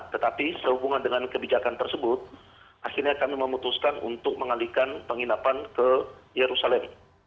tetapi sehubungan dengan kebijakan tersebut akhirnya kami memutuskan untuk mengalihkan penginapan ke yerusalem